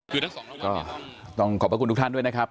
ก็ต้องขอบคุณทุกท่านด้วยนะครับ